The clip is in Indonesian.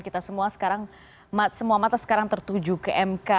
kita semua sekarang semua mata sekarang tertuju ke mk